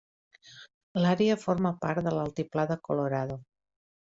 L'àrea forma part de l'altiplà de Colorado.